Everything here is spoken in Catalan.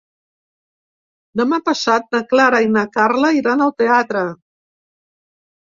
Demà passat na Clara i na Carla iran al teatre.